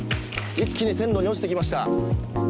一気に線路に落ちてきました。